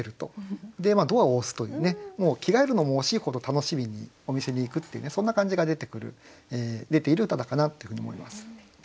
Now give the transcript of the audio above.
でドアを押すというねもう着替えるのも惜しいほど楽しみにお店に行くっていうそんな感じが出ている歌だなというふうに思います。